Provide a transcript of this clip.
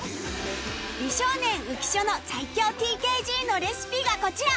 美少年浮所の最強 ＴＫＧ のレシピがこちら